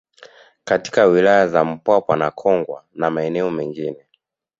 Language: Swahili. Katika wilaya za Mpwapwa na Kongwa na maeneo mengine